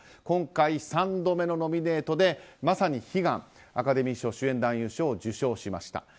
今回、３度目のノミネートでまさに悲願、アカデミー賞主演男優賞を受賞しました。